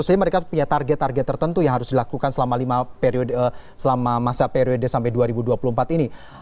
maksudnya mereka punya target target tertentu yang harus dilakukan selama masa periode sampai dua ribu dua puluh empat ini